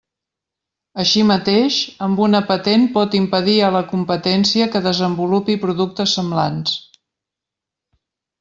Així mateix, amb una patent pot impedir a la competència que desenvolupi productes semblants.